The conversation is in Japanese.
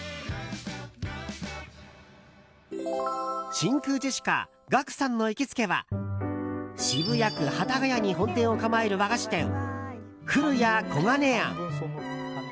真空ジェシカガクさんの行きつけは渋谷区幡ヶ谷に本店を構える和菓子店ふるや古賀音庵。